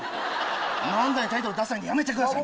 漫才のタイトルダサいのやめてください。